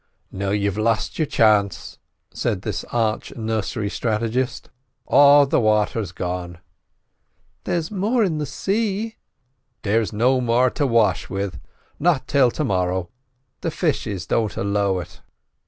"Now you've lost your chance," said this arch nursery strategist, "all the water's gone." "There's more in the sea." "There's no more to wash with, not till to morrow—the fishes don't allow it."